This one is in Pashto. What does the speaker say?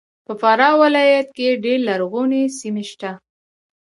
په فراه ولایت کې ډېر لرغونې سیمې سته